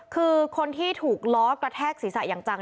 คือคนที่ถูกล้อกระแทกศีรษะอย่างจัง